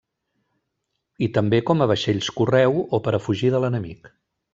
I també com a vaixells correu o per a fugir de l’enemic.